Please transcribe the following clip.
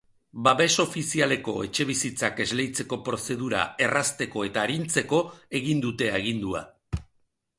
Babes ofizialeko etxebizitzak esleitzeko prozedura errazteko eta arintzeko egin dute agindua.